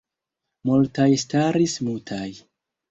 Multaj staris mutaj.